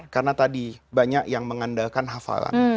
karena tadi banyak yang mengandalkan hafalan